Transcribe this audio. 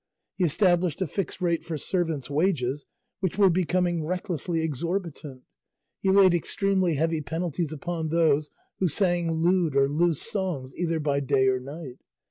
He established a fixed rate for servants' wages, which were becoming recklessly exorbitant. He laid extremely heavy penalties upon those who sang lewd or loose songs either by day or night.